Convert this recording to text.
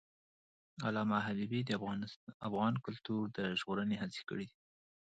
علامه حبیبي د افغان کلتور د ژغورنې هڅې کړی دي.